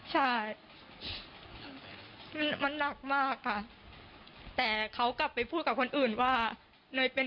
หรือหรือหรือหรือ